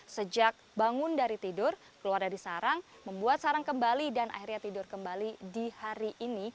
sejak bangun dari tidur keluar dari sarang membuat sarang kembali dan akhirnya tidur kembali di hari ini